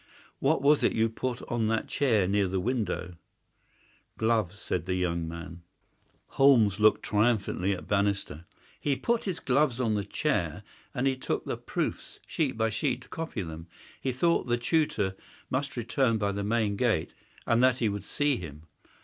What was it you put on that chair near the window?" "Gloves," said the young man. Holmes looked triumphantly at Bannister. "He put his gloves on the chair, and he took the proofs, sheet by sheet, to copy them. He thought the tutor must return by the main gate, and that he would see him.